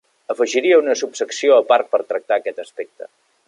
Afegiria una subsecció a part per tractar aquest aspecte.